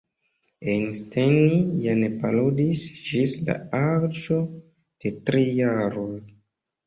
Einstein ja ne parolis ĝis la aĝo de tri jaroj.